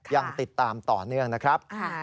ยังติดตามต่อเนื่องนะครับ